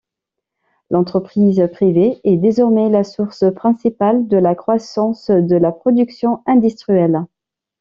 L'entreprise privée est désormais la source principale de la croissance de la production industrielle.